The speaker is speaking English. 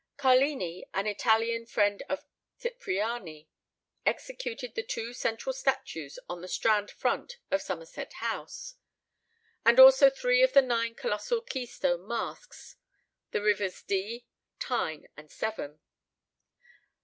Carlini, an Italian friend of Cipriani, executed the two central statues on the Strand front of Somerset House, and also three of the nine colossal key stone masks the rivers Dee, Tyne, and Severn.